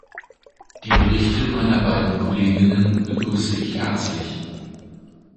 Die Berichte meiner beiden Kolleginnen begrüße ich herzlich.